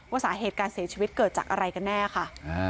สาเหตุการเสียชีวิตเกิดจากอะไรกันแน่ค่ะ